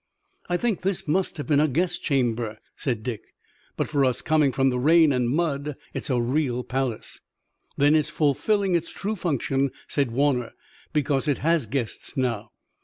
"I think this must have been a guest chamber," said Dick, "but for us coming from the rain and mud it's a real palace." "Then it's fulfilling its true function," said Warner, "because it has guests now.